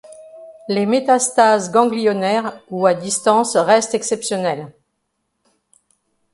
Les métastases ganglionnaires ou à distance restent exceptionnelles.